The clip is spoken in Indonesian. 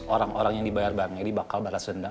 orang orang yang dibayar bank ini bakal balas denda